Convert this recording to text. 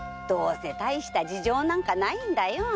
どうせたいした事情なんかないんだよ。